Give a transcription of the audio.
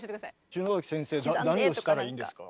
篠崎先生何をしたらいいんですか？